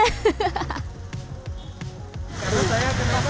harus saya kena satu